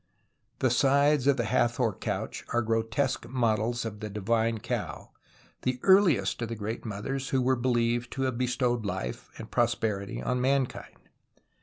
The sides of the Hathor couch are grotesque models of the Divine Cow, the earliest of the Great ]M others who were believed to haA^e bestowed life and prosperity on mankind.